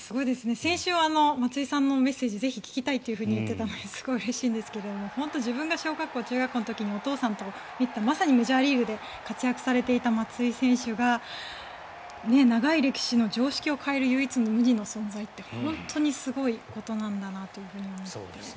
先週、松井さんのメッセージをぜひ聞きたいと言っていたのですごくうれしいんですけど本当に自分が小学校、中学校の時にお父さんと見たまさにメジャーリーグで活躍されていた松井選手が長い歴史の常識を変える唯一無二の存在って本当にすごいことなんだなと。